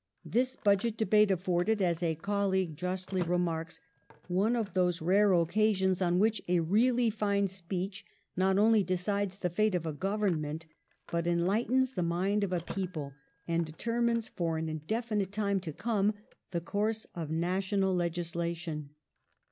This Budget debate afforded, as a colleague justly remarks, " one of those rare occasions on which a really fine speech not only decides the fate of a Government, but enlightens the mind of a people and determines for an indefinite time to come the course of national legislation